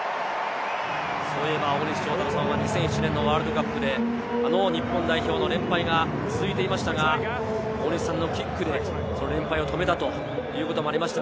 そういえば、大西さんは２００７年のワールドカップで日本代表の連敗が続いていましたが、大西さんのキックで連敗を止めたということもありました。